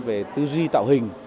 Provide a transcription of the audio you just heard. về tư duy tạo hình